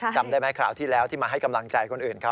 จำได้ไหมคราวที่แล้วที่มาให้กำลังใจคนอื่นเขา